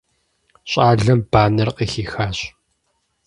Щӏалэм банэр къыхихащ.